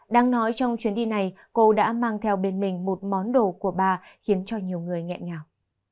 đang nói trong chuyến đi này cô đã mang theo bên mình một món đồ của bà khiến cho nhiều người nghẹn ngào